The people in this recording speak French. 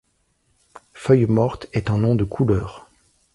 Feuille-morte est un nom de couleur.